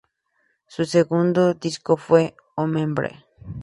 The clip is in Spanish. Su segundo disco fue "Homebrew".